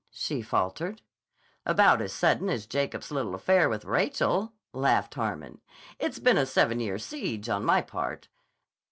she faltered. "About as sudden as Jacob's little affair with Rachel," laughed Harmon. "It's been a seven year siege on my part."